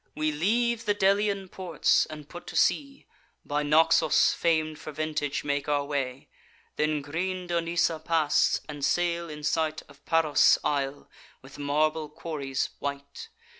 "We leave the Delian ports, and put to sea. By Naxos, fam'd for vintage, make our way; Then green Donysa pass; and sail in sight Of Paros' isle, with marble quarries white.